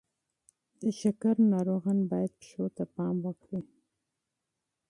د شکر ناروغان باید پښو ته پام وکړي.